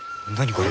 これ。